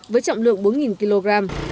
với chậm lượng bốn kg